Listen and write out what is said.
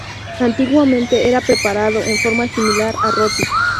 Antiguamente era preparado en forma similar al roti.